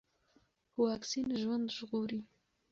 واکسين ژوند ژغوري.